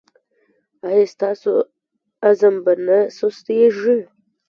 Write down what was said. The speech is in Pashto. ایا ستاسو عزم به نه سستیږي؟